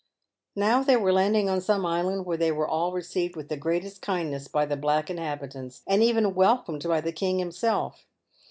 Now they were landing on some island where they were all received with the greatest kindness by the black inhabitants, and even welcomed by the king himself.